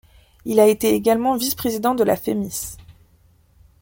Il a été également vice président de la Fémis.